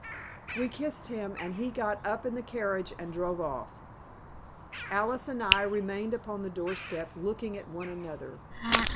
We kissed him, and he got up in the carriage and drove off. Alice and I remained upon the doorstep looking at one another.